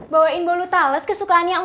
bawain bolu tales kesukaannya